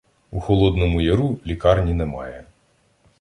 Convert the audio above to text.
у Холодному Яру лікарні немає.